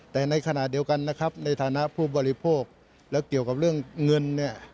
แต่ในขณะเดียวกันนะครับในฐานะผู้บริโภคแล้วเกี่ยวกับเรื่องเงินเนี่ย